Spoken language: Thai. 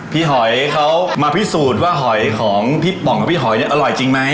หอยเขามาพิสูจน์ว่าหอยของพี่ป๋องกับพี่หอยเนี่ยอร่อยจริงไหม